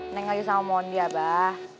neng lagi sama mondi abah